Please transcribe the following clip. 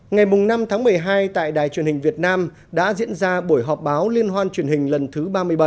ngày năm tháng một mươi hai tại đài truyền hình việt nam đã diễn ra buổi họp báo liên hoan truyền hình lần thứ ba mươi bảy